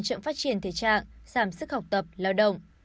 chậm phát triển thể trạng giảm sức học tập lao động